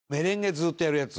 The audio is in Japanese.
ずっとやるやつ